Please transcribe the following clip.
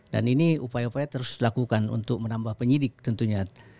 dan ini upaya upaya terus dilakukan untuk menambah penyidik tentunya